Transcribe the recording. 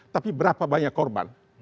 tapi berapa banyak korban